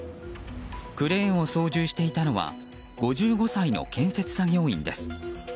クレーンを操縦していたのは５５歳の建設作業員です。